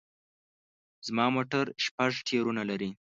زما موټر شپږ ټیرونه لري